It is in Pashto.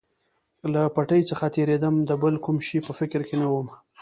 له پټۍ څخه تېرېدم، د بل کوم شي په فکر کې نه ووم.